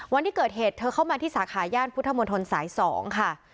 วันที่เกิดเหตุเธอเข้ามาที่สาขาย่านพุทธมนตรสาย๒ค่ะ